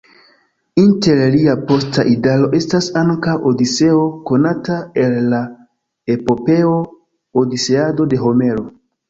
Inter lia posta idaro estas ankaŭ Odiseo, konata el la epopeo Odiseado de Homero.